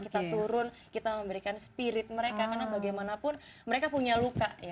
kita turun kita memberikan spirit mereka karena bagaimanapun mereka punya luka ya